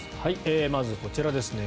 まずこちらですね。